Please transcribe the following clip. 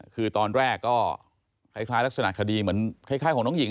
คือตอนแรกก็คล้ายลักษณะคดีเหมือนคล้ายของน้องหญิง